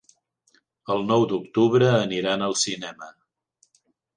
El nou d'octubre aniran al cinema.